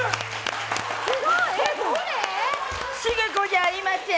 茂子じゃありません！